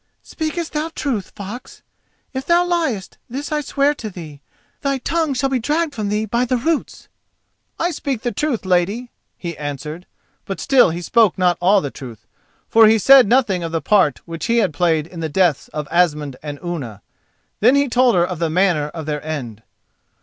"Speakest thou truth, fox? If thou liest, this I swear to thee—thy tongue shall be dragged from thee by the roots!" "I speak the truth, lady," he answered. But still he spoke not all the truth, for he said nothing of the part which he had played in the deaths of Asmund and Unna. Then he told her of the manner of their end.